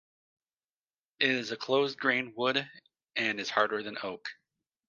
It is a closed-grain wood, and is harder than oak.